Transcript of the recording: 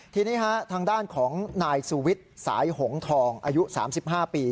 ทีนี้ทางด้านของนายสุวิทย์สายหงทองอายุ๓๕ปี